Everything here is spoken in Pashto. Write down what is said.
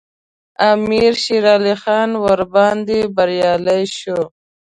امیر شېرعلي خان ورباندې بریالی شو.